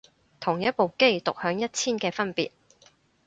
同一部機獨享一千嘅分別